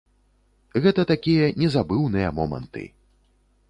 Гэта такія незабыўныя моманты!